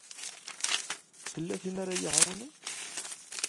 Tella tin ara d-iɛawnen?